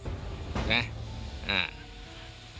ใช่ไหม